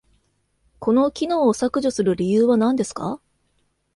この機能を削除する理由は何ですか？